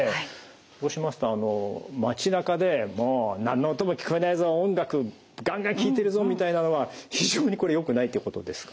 そうしますとあの街なかでもう何の音も聞こえないぞ音楽ガンガン聴いてるぞみたいなのは非常によくないってことですかね。